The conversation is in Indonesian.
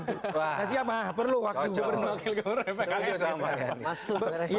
nah siapa perlu waktu